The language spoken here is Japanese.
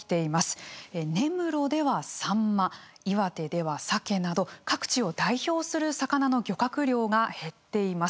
根室ではサンマ岩手ではサケなど各地を代表する魚の漁獲量が減っています。